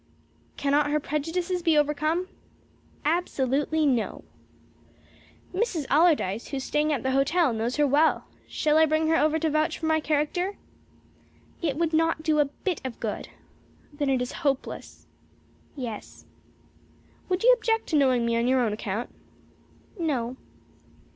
"Cannot her prejudices be overcome?" "Absolutely no." "Mrs. Allardyce, who is staying at the hotel, knows her well. Shall I bring her over to vouch for my character?" "It would not do a bit of good." "Then it is hopeless." "Yes." "Would you object to knowing me on your own account?" "No."